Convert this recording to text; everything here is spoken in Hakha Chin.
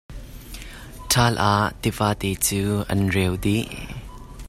Ṭhal ah tivate cu an reu dih.